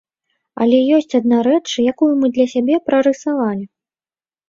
Але ёсць адна рэч, якую мы для сябе прарысавалі.